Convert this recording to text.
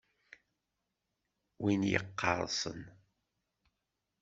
Win yeqqerṣen.